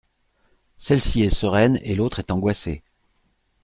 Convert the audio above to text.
Celle-ci est sereine et l’autre est angoissée.